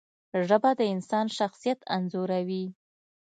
ژبه د انسان شخصیت انځوروي